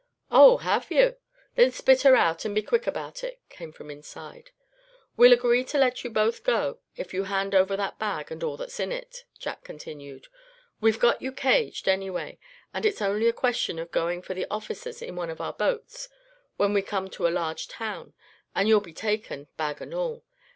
"Oh! have yuh? Then spit her out, and be quick about it," came from inside. "We'll agree to let you both go, if you hand over that bag, and all that's in it," Jack continued. "We've got you caged, anyway, and it's only a question of going for the officers in one of our boats, when we come to a large town; and you'll be taken, bag and all.